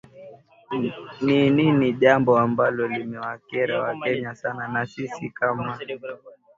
ni ni ni jambo ambalo limewakera wakenya sana na sisi kamaa